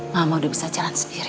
mama udah bisa jalan sendiri